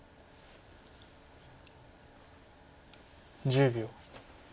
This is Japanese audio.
１０秒。